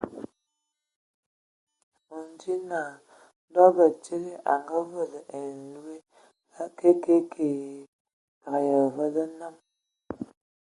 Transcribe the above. O ndzi naa ndɔ batsidi a ngavaɛ ai loe a kɛɛ kɛé kɛɛ, tǝgǝ ai avǝǝ lǝ nam.